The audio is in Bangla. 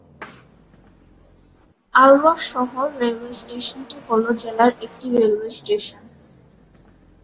আলওয়ার শহর রেলওয়ে স্টেশনটি হল জেলার একটি রেলওয়ে স্টেশন।